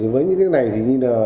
với những cái này thì như là